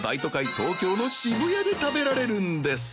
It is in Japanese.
東京の渋谷で食べられるんです